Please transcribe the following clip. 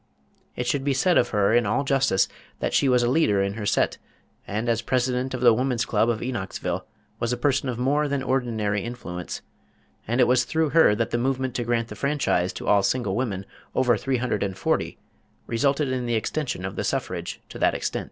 It should be said of her in all justice that she was a leader in her set, and as President of the Woman's Club of Enochsville was a person of more than ordinary influence, and it was through her that the movement to grant the franchise to all single women over three hundred and forty, resulted in the extension of the suffrage to that extent.